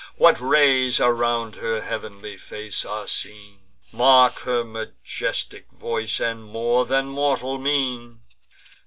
What rays around her heav'nly face are seen! Mark her majestic voice, and more than mortal mien!